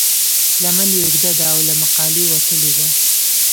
لمن یې اوږده ده او له مقالې وتلې ده.